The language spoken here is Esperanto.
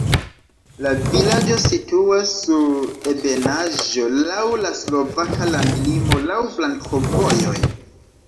La vilaĝo situas sur ebenaĵo, laŭ la slovaka landlimo, laŭ flankovojoj.